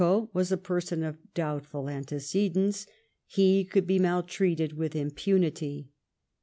Paoifioo was a person of doubtful anteoedents, he ooiild ba maltreated with impunity.